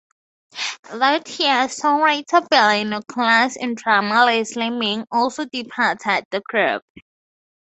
That year songwriter Billy Nichols and drummer Leslie Ming also departed the group.